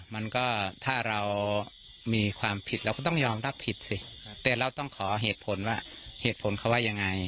มันก็ถ้าเรามีความผิดเราก็ต้องยอมรับผิดสิแต่เราต้องขอเหตุผลว่าเหตุผลเขาว่ายังไง